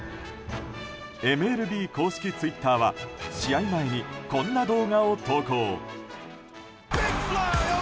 ＭＬＢ公式ツイッターは試合前に、こんな動画を投稿。